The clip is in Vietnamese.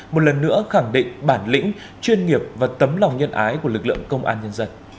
một lần nữa khẳng định bản lĩnh chuyên nghiệp và tấm lòng nhân ái của lực lượng công an nhân dân